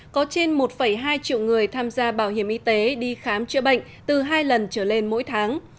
có trên một hai triệu người tham gia bảo hiểm y tế đi khám chữa bệnh từ hai lần trở lên mỗi tháng